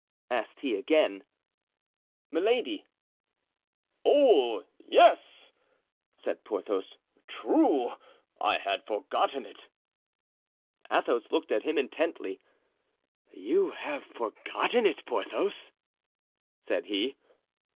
asked he again. "Milady." "Oh, yes!" said Porthos; "true, I had forgotten it!" Athos looked at him intently. "You have forgotten it, Porthos?" said he.